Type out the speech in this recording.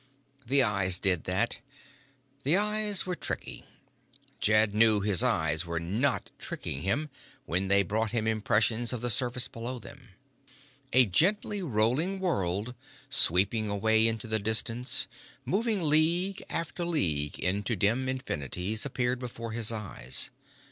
The eyes did that. The eyes were tricky. But Jed knew his eyes were not tricking him when they brought him impressions of the surface below them. A gently rolling world sweeping away into the distance, moving league after league into dim infinities, appeared before his eyes.